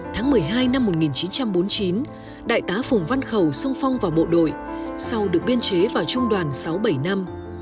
tháng một mươi hai năm một nghìn chín trăm bốn mươi chín đại tá phùng văn khầu xông phong vào bộ đội sau được biên chế vào trung đoàn sáu bảy năm